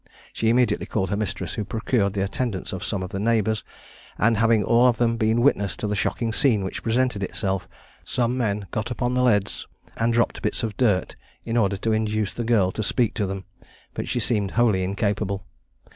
She immediately called her mistress, who procured the attendance of some of the neighbours, and having all of them been witnesses to the shocking scene which presented itself, some men got upon the leads, and dropped bits of dirt, in order to induce the girl to speak to them; but she seemed wholly incapable.